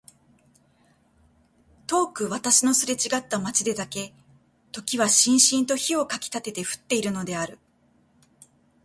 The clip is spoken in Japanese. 遠く私のすれちがった街でだけ時はしんしんと火をかきたてて降っているのである。